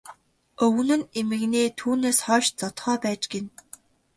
Өвгөн нь эмгэнээ түүнээс хойш зодохоо байж гэнэ.